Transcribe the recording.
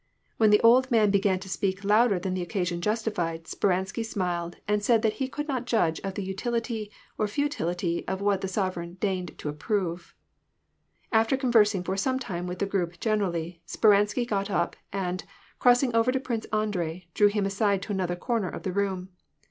When the old man began to speak louder than the occasion justified, Speransky smiled, and said that he could not judge of the utility or futility of what the sovereign deigned to approve. After conversing for some time with the group generally, Speransky got up, and, crossing over to Prince Andrei, drew him aside to another corner of the room.